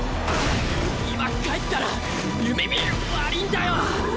今帰ったら夢見が悪ぃんだよ。